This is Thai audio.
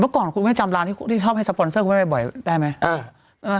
ว่าก่อนคุณไม่จำร้านที่ชอบให้สปอนเซอร์ที่กำลังกล้าบร่ายได้มั้ย